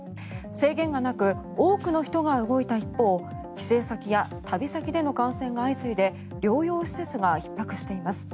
制限がなく大勢の人が動いた一方帰省先や旅先での感染が相次いで療養施設がひっ迫しています。